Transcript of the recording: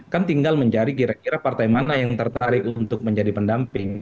kan tinggal mencari kira kira partai mana yang tertarik untuk menjadi pendamping